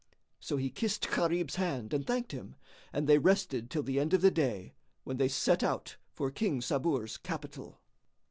So he kissed Gharib's hand and thanked him, and they rested till the end of the day, when they set out for King Sabur's capital.